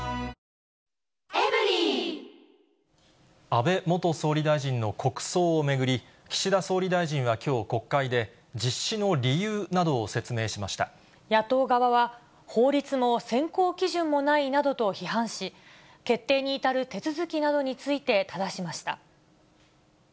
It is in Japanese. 安倍元総理大臣の国葬を巡り、岸田総理大臣はきょう、国会で、野党側は、法律も選考基準もないなどと批判し、決定に至る手続きなどについてただしました。